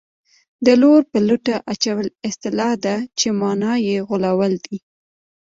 د لور په لوټه اچول اصطلاح ده چې مانا یې غولول دي